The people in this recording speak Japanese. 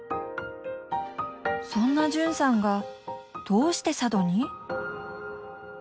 そんな絢さんがどうして佐渡に？